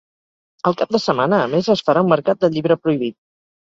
El cap de setmana, a més, es farà un mercat del llibre prohibit.